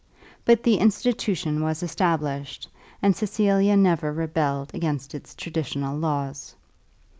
But the institution was established, and Cecilia never rebelled against its traditional laws.